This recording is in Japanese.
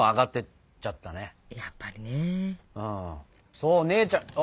そう姉ちゃんあ！